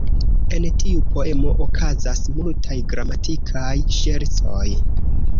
En tiu poemo okazas multaj gramatikaj ŝercoj.